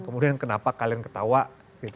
kemudian kenapa kalian ketawa